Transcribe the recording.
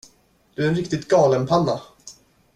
Du är en riktigt galenpanna.